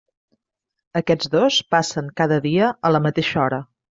Aquests dos passen cada dia a la mateixa hora.